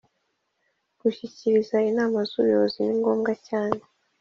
kushyikiriza Inama zUbuyobozi ningombwa cyane